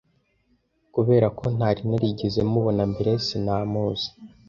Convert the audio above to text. Kubera ko ntari narigeze mubona mbere, sinamuzi.